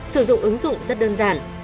sử dụng ứng dụng rất đơn giản